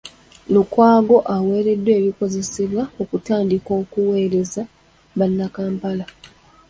Lukwago aweereddwa ebikozesebwa okutandika okuweereza bannakampala.